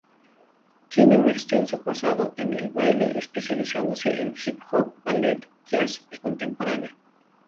Tiene un extenso pasado en el baile, especializándose en hip-hop, ballet, jazz, y contemporáneo.